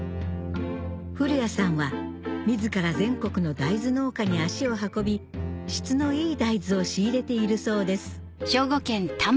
古屋さんは自ら全国の大豆農家に足を運び質のいい大豆を仕入れているそうです